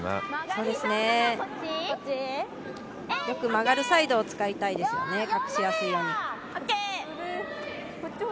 よく曲がるサイドを使いたいですね。